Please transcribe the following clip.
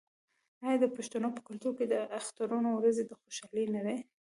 آیا د پښتنو په کلتور کې د اخترونو ورځې د خوشحالۍ نه دي؟